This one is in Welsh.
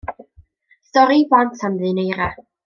Stori i blant am ddyn eira.